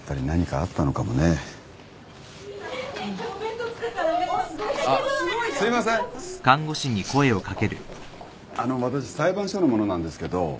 あの私裁判所の者なんですけど。